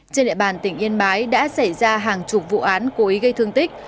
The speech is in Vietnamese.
trên địa bàn tỉnh yên bái đã xảy ra hàng chục vụ án cối gây thương tích